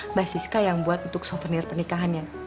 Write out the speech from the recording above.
mbak siska yang buat untuk souvenir pernikahannya